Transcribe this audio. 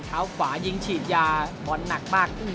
เท้าขวายิงฉีดยาบอลหนักมากอุ้งแรง